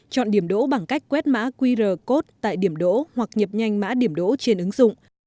chọn điểm đỗ bằng cách quét mã qr code tại điểm đỗ hoặc nhập nhanh mã điểm đỗ trên ứng dụng